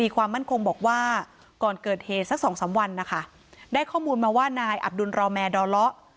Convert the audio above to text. ความมั่นคงบอกว่าก่อนเกิดเหตุสักสองสามวันนะคะได้ข้อมูลมาว่านายอับดุลรอแมร์ดอเลาะ